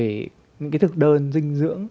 những cái thực đơn dinh dưỡng